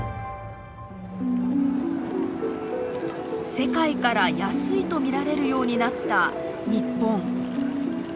世界から安いと見られるようになった日本。